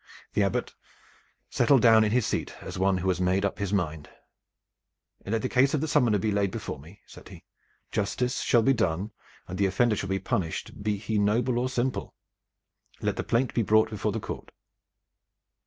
The Abbot settled down in his seat as one who has made up his mind. "Let the case of the summoner be laid before me," said he. "Justice shall be done, and the offender shall be punished, be he noble or simple. Let the plaint be brought before the court."